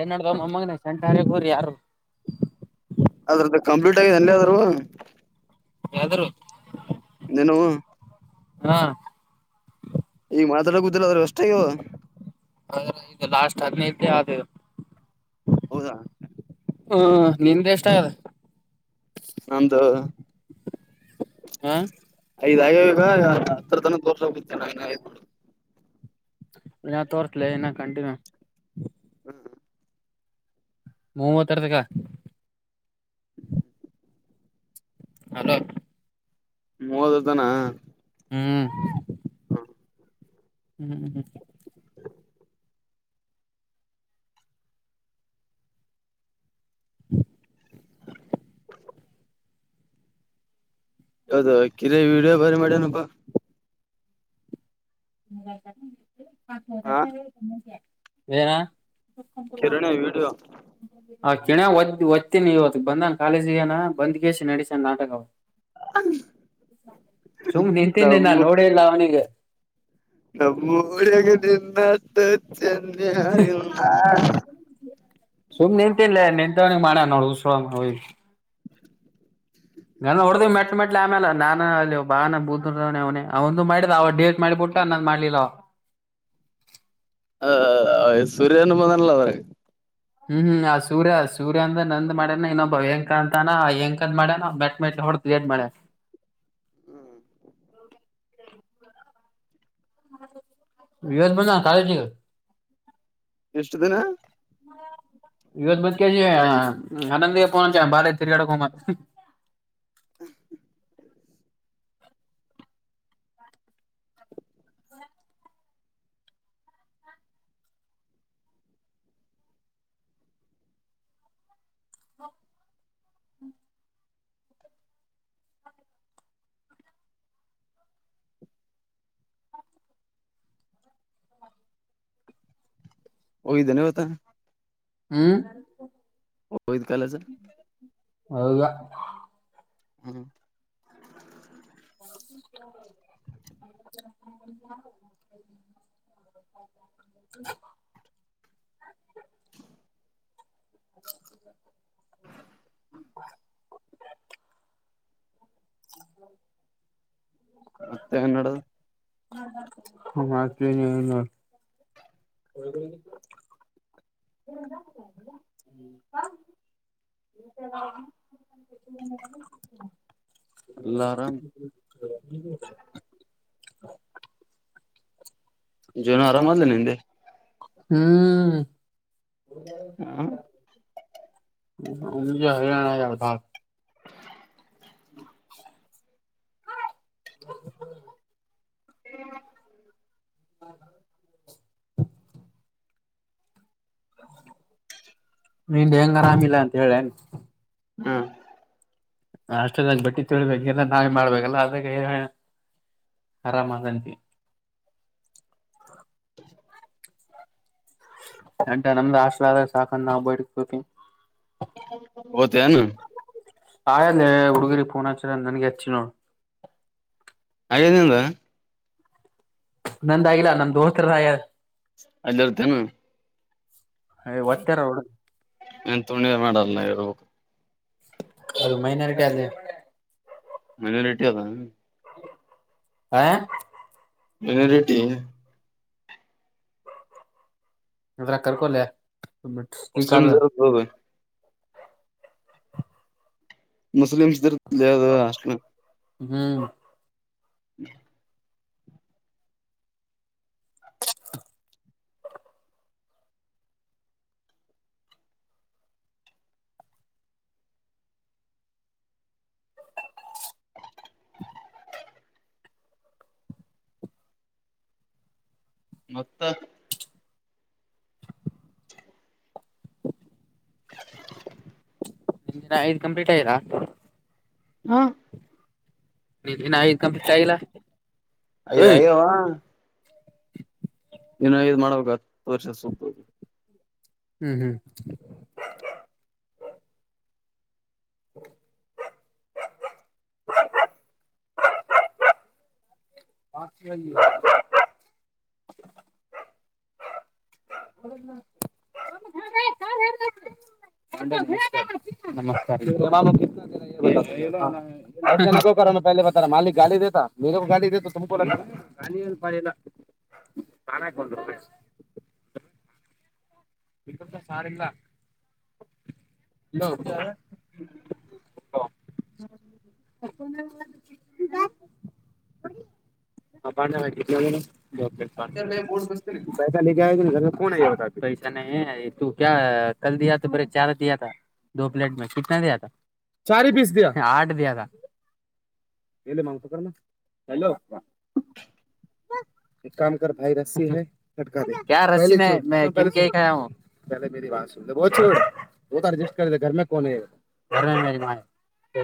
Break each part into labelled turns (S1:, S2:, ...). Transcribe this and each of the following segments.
S1: ಏನ್ ನಡ್ದ ಮಮ್ಮಗನ ಶೆಂಟಾರ್ಯಗೂರಿ ಯಾರು [unintelligible]
S2: ಅದ್ರದ್ದ ಕಂಪ್ಲೀಟ್ ಆಗಿದೆ ಅಲ್ಲ [unintelligible] ಅದ್ೂ
S1: ಇದ್ರುವ? [unintelligible]
S2: ಏನ್ ಅವು? [unintelligible]
S1: ಹಾ [unintelligible]
S2: ಈಗ ಮಾತಾಡ ಕುಂತಿ. [unintelligible]
S1: ಅದ ಲಾಸ್ಟ್ ಹದಿನೇತಾ ಆದ [unintelligible]
S2: ಹೌದಾ? [unintelligible]
S1: ಹೂ ನಿಮ್ದ ಎಷ್ಟ ಆಗದ? [unintelligible]
S2: ನಮ್ದು
S1: ಹಾ [unintelligible]
S2: ಐದ್ ಆಗ್ಯಾವ ಈಗ ಹತ್ರ ತನಕ ತೋರ್ಸಕ ಹೋಗಿದ್ದೆ ನಾನ ಇನ್ನ ಐದ್ [unintelligible]
S1: ಎಷ್ಟ ವರ್ಷ ಲೇ ಇನ್ನ ಕಂಟಿನ್ಯೂ? [unintelligible]
S2: ಹ [unintelligible]
S1: ಮೂವತ್ತ ಆರತಕ್ಕ. [unintelligible] ಹಲೋ? [unintelligible]
S2: ಮೂವತ್ತರ ತನಾ? [unintelligible]
S1: ಹೂ [unintelligible]
S2: ಹ [unintelligible]
S1: ಹೂ [unintelligible]
S2: ಯಾವುದೋ ಕಿರಿ ವಿಡಿಯೋ ಬಾರಿ ಮಾಡ್ಯನಪ್ಪಾ. [unintelligible] ಹಾ
S1: [inaudible] ಏನ್? [unintelligible]
S2: ಕಿರಣೆ ವಿಡಿಯೋ? [unintelligible]
S1: ಆ ಕಿರನ್ಯಾ ಒತ್ತ ಒತ್ತನಿ ಇವತ್ತ ಬಂದಾನ ಕಾಲೇಜಗೆ ಹೋಗ್ಯಾನ ಬಂದ್ಗೇಶ ನಡೆಸೇನ್ ನಾಟಕ ಅವ. [unintelligible] ಸುಮ್ಮ ನಿಂತೀನಿ ನಾ ನೋಡಿಲ್ಲ ಅವನಿಗೆ? [unintelligible]
S2: ನಮ್ಮೂರಿನಾಗ ನಿನ್ನಂತ [inaudible] [unintelligible] ಚಂದ ಯಾರು ಇಲ್ಲಾ? [unintelligible]
S1: ಸುಮ್ಮ ನಿಂತಿನ ಲೇ ನಿಂತವನಿಗ ಮಾಡ್ಯಾನ ನೋಡ ಹುಚ್ಚುಸೂಳೇಮಗ ವೈದೊಂದ್? [unintelligible] ನಾನ್ ಹೊಡಿದೇ ಮೆಟ್ ಮೆಟ್ ಲೇ ಆಮೇಲೆ ನಾನ ಅಲ್ಲಿ ಬಾನ ಬುತದೇವನೇ ಅವನಂದು ಮಾಡಿದ ಅವ ಡೇಟ್ ಮಾಡಿಬುಟ್ಟ [unintelligible] ಊಟ ನಂದ ಮಾಡಲಿಲ್ಲ ಅವ [unintelligible]
S2: ಹ ಸೂರ್ಯ ಅನು ಬಂದಾನ ಅಲ್ಲ ಅದರಾಗ? [unintelligible]
S1: ಹು ಆ ಸೂರ್ಯ ಸೂರ್ಯ ಅಂದ ನಂದ್ ಮಾಡ್ಯನ ಇನ್ನೊಬ್ಬ ಏನ್ ಕಾಂತನ ಹೆಂಕಂದ್ ಮಾಡ್ಯಾನೋ ಮೆಟ್ ಮೆಟ್ [unintelligible] ದೊಡ್ಡ ಕ್ರಿಯೆಟ್ ಮಾಡ್ಯಾನ? [unintelligible] ಇವತ್ತ್ ಬಂದ ನಂದ ಆಯ್ತ್ ಈಗ. [unintelligible]
S2: ಇಷ್ಟ ದಿನ. [unintelligible]
S1: ಇವತ್ತ ಬಂದ ಕ್ಯಾಸ ಆನಂದ ಗೆ ಫೋನ್ ಹಚ್ಚಳಾ ಬಾ ಲೇ ತಿರಿಗಡಕ ಹೋಗುಮಂತ್? [unintelligible]
S2: [unintelligible]
S1: [unintelligible]
S2: ಹೋಗಿದ್ದೇನ ಇವತ್ತ? [unintelligible]
S1: ಹೂ
S2: ಹೋಗಿದ್ ಕಾಲೇಜ
S1: ಹೋಗಿಲ್ಲ? [unintelligible]
S2: ಹು [unintelligible]
S1: [inaudible] [unintelligible] [unintelligible] [inaudible] [unintelligible] [unintelligible] ಬಂದ್ ಕುಂತೆತೀ. [unintelligible]
S2: ಮತ್ತ ಏನ್ ನಡದೇತಿ? [unintelligible]
S1: ಮತ್ತ ಏನು ಇಲ್ಲಾ? [unintelligible] ಒಳಗಿಂದ [inaudible]
S2: ಎಲ್ಲ ಆರಾಮ್
S1: [unintelligible] [inaudible] [unintelligible] [inaudible] [unintelligible]
S2: ಜ್ವರ ಆರಾಮ್ ಆದ್ಲ ನಿಂದೆ. [unintelligible]
S1: ಹೂ
S2: ಹ
S1: [unintelligible] ನಮಗ ಹೈರಾಣ ಆಗ್ಯದ ಇಲ್ಲಿ. [unintelligible] [unintelligible] ನಿಂದ ಹೆಂಗ ಆರಾಮಿಲ್ಲ ಅಂತ ಹೇಳೆನ್.
S2: ಹ್ಮ.
S1: ಅಷ್ಟಕ ಅಲ್ಲಿ ಬಟ್ಟಿ ತೋಳಿಬೇಕು ಎಲ್ಲ ನಾವೇ ಮಾಡ್ಬೇಕಲ್ಲ ಅದಕ. [unintelligible] ಆರಾಮ ಅದನ ರಿ.
S2: [unintelligible]
S1: [unintelligible]
S2: ಓತೇನು
S1: ಹಾಯಲ್ಲೇ ಹುಡುಗಿರಿ ಪೋನ ಹಚ್ಚಿದಂಗ್ ನನಗೆ ಹಚ್ಚಿ ನೋಡ್.
S2: ಆಗ್ಯದ ನಿಂದು.
S1: ನಂದಾಗಿಲ್ಲ ನಮ ದೋಸ್ತರದ ಆಗ್ಯದ.
S2: ಅಲ್ಲಿರ್ತೇನ.
S1: ಏ ವತ್ಯಾರ ಅವರು ಇಡದು.
S2: ಏನ್ ತುಣಿ ಮಾಡಲ್ಲ ಇರ್ಬೇಕು.
S1: ಅದ ಮೈನಾರಿಟಿ ಆದ ಲೆ.
S2: ಮೈನಾರಿಟಿ ಆದ ಹ್ಮ.
S1: ಹಾ.
S2: ಮೈನಾರಿಟಿ.
S1: ಅದರಾಗ ಕರಕೋಲೆ.
S2: ಮುಸ್ಲಿಮ್ಸ್ ಇರುತ್ತದು
S1: [unintelligible]
S2: ಮುಸ್ಲಿಮ್ಸ್ ದು ಇರುತ್ತೆ ಲೆ ಅದು ಹಾಸ್ಟೆಲ್.
S1: ಹ್ಮ್.
S2: [unintelligible] ಮತ್ತ.
S1: ನಿಂದು ಇನ್ನ ದಿನ ಐದು ಕಂಪ್ಲೀಟ್ ಆಗಿಲ್ಲ.
S2: ಹ್ಮ್.
S1: ಇನ್ನೂ ಐದು ಕಂಪ್ಲೀಟ್ ಆಗಿಲ್ಲ
S2: ಐದ್
S1: ಹೊಯ್.
S2: ಆಗ್ಯಾವ ಇನ್ನ್ ಐದು ಮಾಡಬೇಕು ಹತ್ತು ವರ್ಷ ಸುದ್ದು.
S1: ಹ್ಮ್ ಹ್ಮ್. [unintelligible] [unintelligible] ಹಾ. ನಮಸ್ಕಾರ್. ನಕೊ ಕರನಾ ಪೈಲಿ ಬಾತ್. ಮಾಲಿಕ್ ಗಾಲಿ ದೇತಾ ಮೆರೆಕೊ ಗಾಲಿ ದೆತೊ ತುಂಕೊ ಲಗತಾ. ನಾನ ಹಕ ಬಂದರು ಬ [inaudible] ಅಕ್ಕ ಸಾರಿಲ್ಲ.
S2: ಯಾರ.
S1: ಪೈಸಾ ಲೇಕಾಯಾ ಕ್ಯಾ ನೈ. ಪೈಸ ನೈ ತು ಕ್ಯಾ ಕಲ್ ದಿಯಾತ ಬರ ಚಾದಿಯಾತಾ. ದೋ ಪ್ಲೇಟ್ ಮೆ ಕಿತ್ನಾ ದಿಯಾತಾ? ಚಾರಿ ಪೀಸ ದಿಯಾ. ಆಟ ದಿಯಾತಾ. ಹೆಲೋ. ಹ. ಏಕ್ ಕಾಮ ಕರ್ ಭಾಯ ರಸ್ಸಿ ಹೈ ಲಟಕಾ ದೆ. ಕ್ಯಾ ರಸ್ಸಿ ನೈ ಮೈ ಕಿನಕೆ ಕಾಯಾ ಹು. ಲಬೊ ಚೂಡ್ ವೊ ತಾರ್ ದಿಫ್ಟ್ ಕರ್ದೆ ಗರ್ ಮೆ ಕೋಣ್ ಹೈ. ಗರ್ ಮೆ ಮೇರಿ ಮಾ ಹೈ.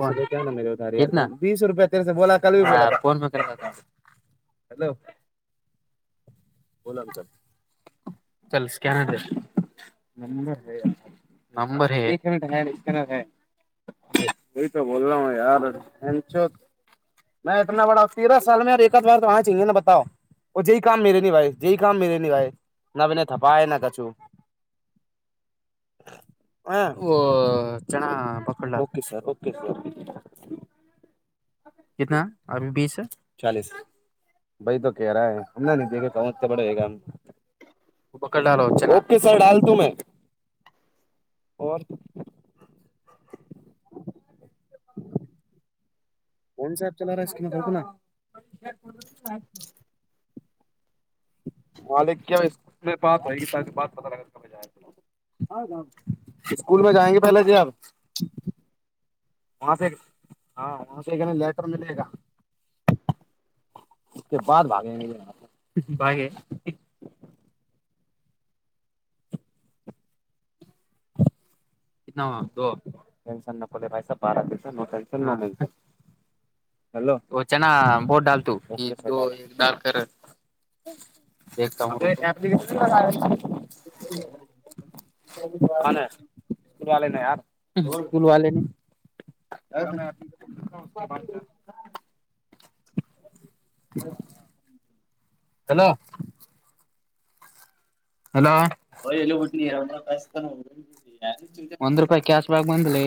S1: ಪೈಸೆ ದೇನಾ ಮೇರೆ ಉದಾರಿ ಕಿತ್ನಾ ಬೀಸ್ ರೂಪಯ್ ತೆರೆ ಸೆ ಬೊಲಾ ಕಲ್ ಬಿ ಬೊಲಾ. ಹಲೋ ಬೋಲಾ. ಚಲ್ ಸ್ಕ್ಯಾನರ್ದೇ. ನಂಬರ್ ಹೈ ನಂಬರ್ ಹೈ ಏಕ್ ಮಿನಿಟ್ ಹೈ ಮೇರೇ ಪಾಸ್ ಹೈ. ವ ಹಿತೋ ಬೊಲ್ ರಾ ಹು ಯಾರ್ ಹೆನ್ ಚೊ. ಮೈ ಇತನಾ ಬಡಾ ತೇರ ಸಾಲ ಮೆ ಏಕತ್ ಬಾರ್ ಮೆ ವಾಹಚ್ ಆಯಿಂಗೆ ಬತಾವ್. ಒ ಜೈ ಕಾಮ ಮೇರೆ ನೀ ಭಾಯ ಜೈ ಕಾಮ ಮಿಲೆ ನೀ ಭಾಯ ನ ಮನೆ ಥಪಾಯ ನ ಕಚು. [inaudible] ಹ ಓ ಚಣ ಮಕ್ಕಳ ಓಕೆ ಸರ್ ಓಕೆ ಸರ್. ಕಿತನಾ ಅ ಬಿಸ ಚಾಲೀಸ್. ಬೈ ತೋ ತೆರಾ ಹೈ ಹನ್ನಾ ನೈ ಕೋನ್ ಬಡ ಹಗ. ಡಾಲೋ ಓಕೆ ಸರ್ ಡಾಲತು ಮೈ. [inaudible] ಒಂದ್ ಸರ್ತಿನಾರೆ ಇಸ್ಕಿನ್ ದೋಕುನ. ಅದುಕೆಲ್ಲ. [unintelligible] School bag [unintelligible] biology. [unintelligible] ಆಫ್ [unintelligible] ಲೇಟ್ರ ಮಿಲೆಗ. ಎ ಭಾತ್ ಬಾಗೇ ಭಾಗೆ. ಕಿತನಾ ಹುವಾ ದೋ ಟೆನ್ಶನ್ ನಕೊ ಲೆ ಬಾಯಿ ಸಾಬ್ ಬಾರ ತೆಸೋ no tension no mention. Hello ವೊ ಚನಾ ಬೋತ್ ಡಾಲತು ಏಕ್ ದೋ ಏಕ್ ಡಾಲ್ ಕರ. ಅಬೆ.
S2: [inaudible]
S1: ಸ್ಕೂಲ್ ವಲೆನಿ ಯಾರ್ school ವಲೆನಿ. [inaudible]
S2: Hello.
S1: Hello. Hello.
S2: By ಎಲ್ಲೊ ಹುಟ್ಟಿ ನಿ ಯಾವನದರ.
S1: ಒಂದ್ ರೂಪಾಯಿ ಕ್ಯಾಶ್ ಬ್ಯಾಕ್ ಬಂದ್ದುಲೆ.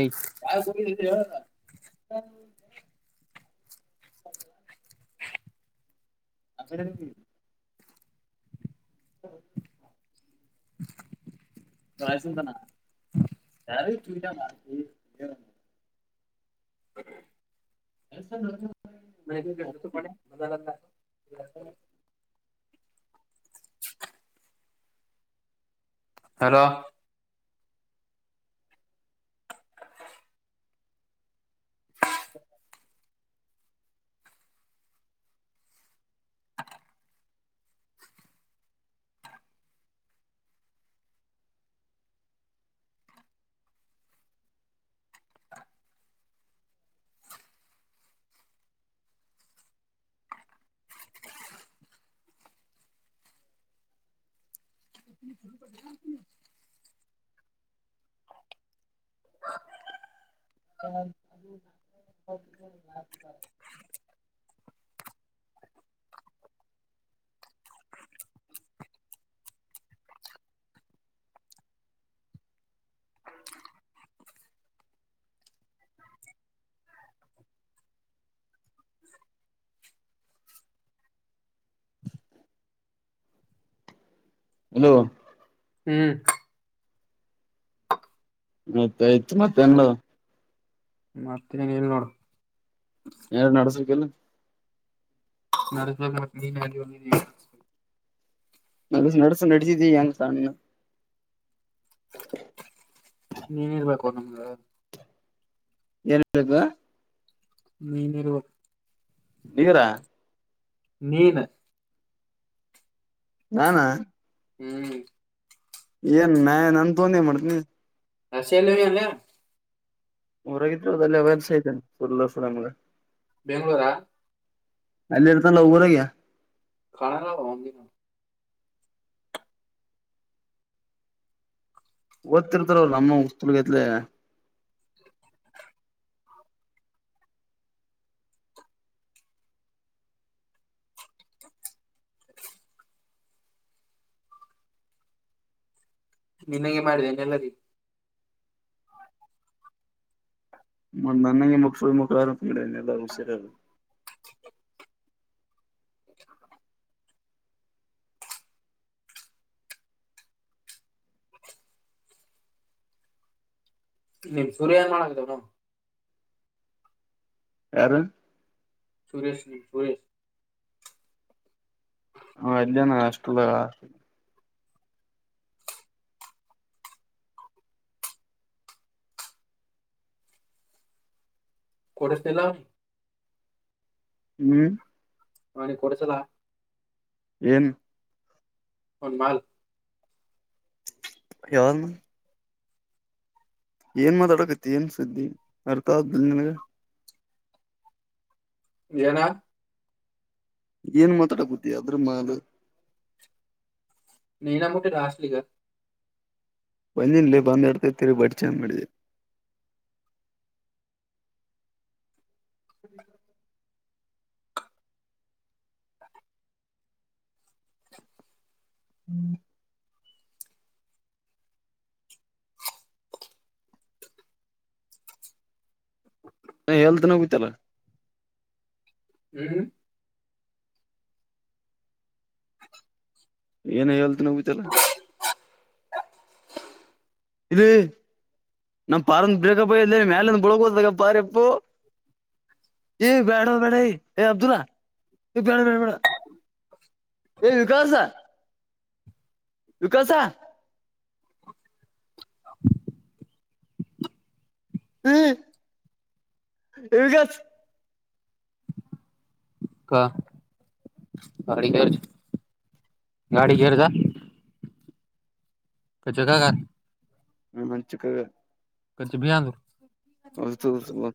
S2: [inaudible] [inaudible] ಅಕಡ್ ಯದುಕ್ ಓಗಿದಿ. [inaudible]
S1: [inaudible]
S2: ರೈಸ್ ತಿಂತನ ಯಾರಿಗ್ ಚೂತ್ಯ ಮಾಡ್ತಿ.
S1: [inaudible]
S2: [inaudible]
S1: ಮ ಕ್ರಿಕಟ್ ನತ ಪ ಮಾ ನ [inaudible] ಹಲೋ. [inaudible] [inaudible]
S2: [inaudible] ಹಲೋ.
S1: ಹ್ಮ್.
S2: ಮತ್ ಆಯ್ತು ಮತ್ತೆ ಎನ್.
S1: ಮತ್ತೆನ್ ಇಲ್ ನೋಡು.
S2: ಎರ್ಡ್ ನೆಡ್ಸಕಿಲ್ಲ.
S1: ನೆಡ್ಸಬೇಕ್ ಮತ್ ನೀ. [unintelligible]
S2: ನೆಡ್ಸ್ ನೆಡ್ಸ್ ನೆಡ್ಸಿದಿ ಎಂಗ್ ಸಣ್ಣ್.
S1: ನೀ ಇರ್ಬೇಕೊ ನಮ್ಗ.
S2: ಏನ್ಕ್ ಬೇಕು.
S1: ನೀ ಇರ್ಬಾಕ್.
S2: ನೀರ.
S1: ನೀನ್.
S2: ನಾನ.
S1: ಹ್ಮ್.
S2: ಏನ್ ನ ನನ್ ತೊಂದೆ ಮಾಡತನಿ
S1: ಹ ಸೇ ಎಲ್ಲರಿ ಅಲ್ಲಯ
S2: ಊರಾಗಿದ್ರು ಅದಲ್ಲಿಯಸ ಐತೆನೆ ಸುಲ್ಲ ಸಲಮ
S1: ಬೆಂಗ್ಗಳೂರಾ
S2: ಅಲ್ಲಿ ಇರ್ತ ನವಗುರಾಗ
S1: ಕಾಣ ನಾವಂಗ
S2: ಓದ್ತಿರ್ತಾರ ನಮ್ಮ ಉಸ್ತಗೈತ್ಲ
S1: ನಿನಗೆ ಮಾಡಿದೆೇನೆ ಎಲ್ಲರಿ
S2: ಮ ನನಗೆ ಮುಖು ಮುಖ ಆರಂ ಎಲ್ಲ ಹುಷಾರ
S1: ಅ ನಿಮ್ ಸೂರ್ಯ ಏನ್ ಮಾಡದವನು
S2: ಯಾರು
S1: ಸುರೇಶ ನೀ ಸುರೇಶ
S2: ಹಾ ಇಲ್ಲ ನ ಅಷ್ಟಲ್ಲ
S1: ಕಡಸ್ನಲ್ಲ
S2: ಹ್ಮ್
S1: ಹನ ಕೊಡಸಲ
S2: ಎನ್
S1: ಒನ್ ಮಲ್
S2: ಯ ಏನ್ ಮಾತಾಡಕತಿ ಏನ್ ಸುದ್ದಿ ಅರ್ಥನಗೆ
S1: ಏನಾ
S2: ಏನ್ ಮಾತಾಡಕತಿ ಅದ್ರ ಮಾದ
S1: ನ ನ ಮಟೆ ಸಲಿ ಗ
S2: ಒಂದಿನಲ್ಲಿ ಬಂದ್ ಆಡ್ತ ತಿರಿ ಬಡ್ ಚೆ ಮಾಡಿದೆ ಸರಿ ಹ್ಮ್ ಹ ಹಳ್ತನ್ರೋಗತ್ತಲ್ಲ
S1: ಹ್ಮ್ ಅ
S2: ಏನ್ ಹೇಳ್ತ ನಗತಲ್ಲ ಇದು ನಮ್ಮ್ ಪಾರಂದು ಬೇಕಪ್ಪ ಮೇಲಂದು ಬಳಗ್ಗ ಹೋತಾಗ ಪ
S1: ಅ
S2: ಏ್ ಬ್ಯಾಡ ಬೇಡ ಯ ಏ್ ಅಬ್ದುಲ್ಲಾ ಬೇಡ ಬೇಡ ಬೇಡ ವಿಕಾಸ ವಿಕಾಸ ಹ್ಮ್ ಗ
S1: ಹಾ ಅಡಿ ಗಾಡಿಗೆೇರ್ದ ಕ ಜಗಗ
S2: ನ ಮಂಚಕ್ಕ
S1: ಕಚ ಬಹಲು
S2: ಹದು